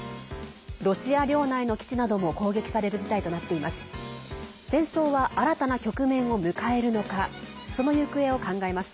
ロシア領内の基地なども攻撃される事態となっています。